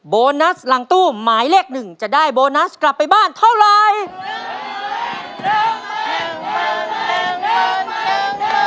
โบนัสหลังตู้หมายเลขหนึ่งจะได้โบนัสกลับไปบ้านเท่าไร